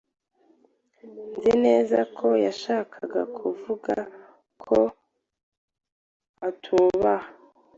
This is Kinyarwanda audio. Nzi neza ko yashakaga kuvuga ko atubaha.